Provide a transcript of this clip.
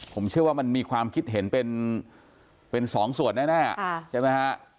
ผมเชื่อว่ามันมีความคิดเห็นเป็นสองส่วนแน่ใช่ไหมฮะ